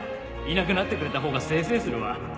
いなくなってくれた方が清々するわ